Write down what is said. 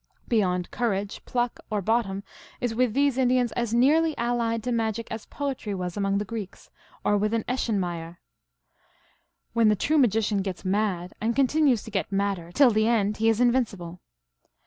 Beyond courage, pluck or bottom is with these Indians as nearly allied to magic as poetry was among the Greeks, or with an Eschenmayer. When the true magician " gets mad," and continues to get madder till the end, he is invincible.